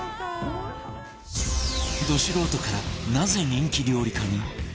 ド素人からなぜ人気料理家に？